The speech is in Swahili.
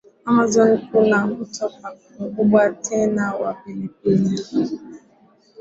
Amazon kuna mto mkubwa tena wa pili kwa